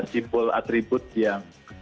simbol atribut yang